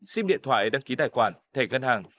sim điện thoại đăng ký tài khoản thẻ ngân hàng